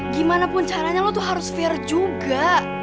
gimanapun caranya lo tuh harus fair juga